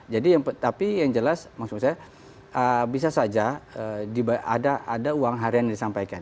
jadi yang tapi yang jelas maksud saya bisa saja ada uang harian yang disampaikan